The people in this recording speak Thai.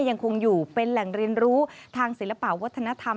ยังคงอยู่เป็นแหล่งเรียนรู้ทางศิลปะวัฒนธรรม